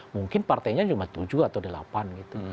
mungkin partainya cuma tujuh atau delapan gitu